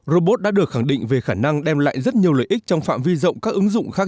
robot đã được khẳng định về khả năng đem lại rất nhiều lợi ích trong phạm vi rộng các ứng dụng khác